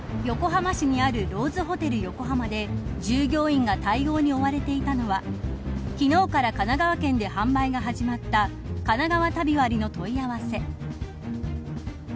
横浜市にあるローズホテル横浜で従業員が対応に追われていたのは昨日から神奈川県で販売が始まったかながわ旅割の問い合わせ。